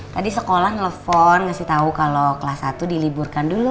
tadi sekolah ngelepon ngasih tau kalo kelas satu diliburkan dulu